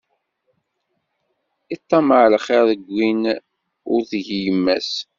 Iṭṭamaɛ lxiṛ deg win ur d-tgi yemma-s.